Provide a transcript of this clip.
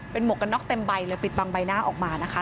หมวกกันน็อกเต็มใบเลยปิดบังใบหน้าออกมานะคะ